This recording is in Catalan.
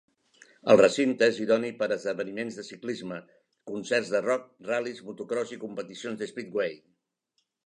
El recinte és idoni per a esdeveniments de ciclisme, concerts de rock, ral·lis, motocròs i competicions d'speedway.